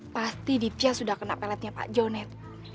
pasti ditya sudah kena peletnya pak jonet